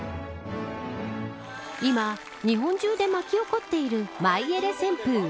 今、日本中で巻き起こっているマイエレ旋風。